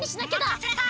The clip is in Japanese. まかせた！